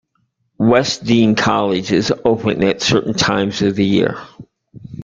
West Dean College is open at certain times of the year.